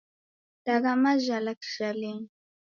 Dagha majhala kijhalenyi